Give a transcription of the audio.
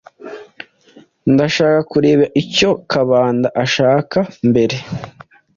Ndashaka kureba icyo Kabanda ashaka mbere.